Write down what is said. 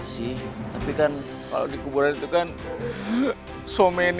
sih spatial digugurkan someny kiki kika kika atera i competition